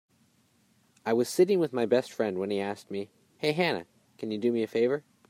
I was sitting with my best friend when he asked me, "Hey Hannah, can you do me a favor?"